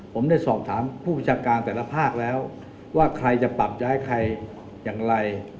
ผมได้สอบถามผู้ประชาการแต่ละภาคแล้วว่าใครจะปรับจะให้ใครอย่างไร